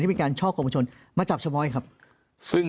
เพราะอาชญากรเขาต้องปล่อยเงิน